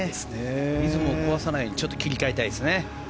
リズムを壊さないよう切り替えたいですね。